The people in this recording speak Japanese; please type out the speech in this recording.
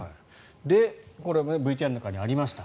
これもＶＴＲの中にありました。